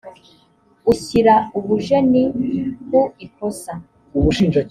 ushyira ubujeni ku ikosa